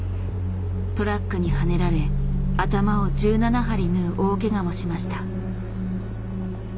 トラックにはねられ頭を１７針縫う大けがもしました。